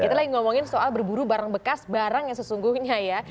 kita lagi ngomongin soal berburu barang bekas barang yang sesungguhnya ya